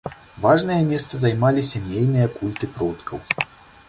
Важнае месца займалі сямейныя культы продкаў.